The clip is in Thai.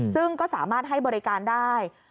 ซึ่งก็สามารถให้บริการได้